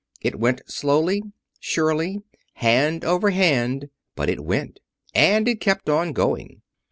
It went slowly, surely, hand over hand, but it went, and it kept on going.